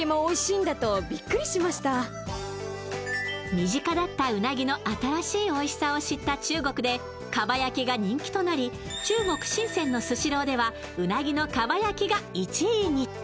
身近だったうなぎの新しいおいしさを知った中国で蒲焼きが人気となり中国・深センのスシローではうなぎの蒲焼きが１位に。